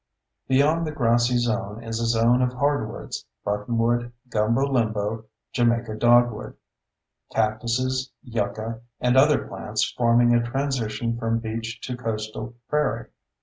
Beyond the grassy zone is a zone of hardwoods (buttonwood, gumbo limbo, Jamaica dogwood), cactuses, yucca, and other plants forming a transition from beach to coastal prairie.